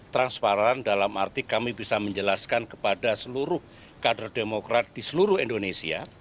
transparan dalam arti kami bisa menjelaskan kepada seluruh kader demokrat di seluruh indonesia